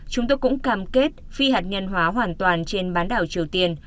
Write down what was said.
chúng tôi cũng cam kết phi hạt nhân hóa hoàn toàn trên bán đảo triều tiên